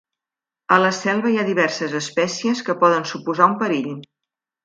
A la selva hi ha diverses espècies que poden suposar un perill.